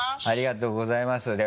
ありがとうございます。